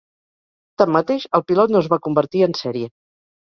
Tanmateix, el pilot no es va convertir en sèrie.